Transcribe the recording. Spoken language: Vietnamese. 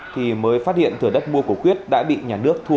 thì mới phát hiện thử đất mua của quyết đã bị nhà nước thu hồi